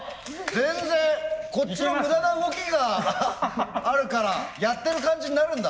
全然こっちの無駄な動きがあるからやってる感じになるんだ。